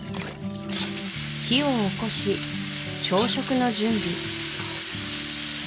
火をおこし朝食の準備